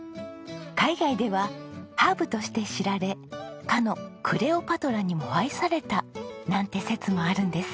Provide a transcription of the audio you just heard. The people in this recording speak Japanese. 海外ではハーブとして知られかのクレオパトラにも愛されたなんて説もあるんですよ。